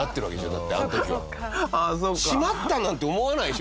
「しまった！」なんて思わないでしょ